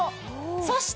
そして。